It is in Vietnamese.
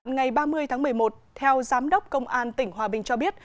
ngày ba mươi tháng một mươi một theo giám đốc công an tỉnh hòa bình cho biết